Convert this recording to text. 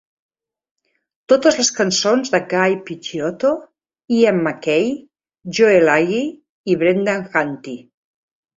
Totes les cançons de Guy Picciotto, Ian MacKaye, Joe Lally i Brendan Canty.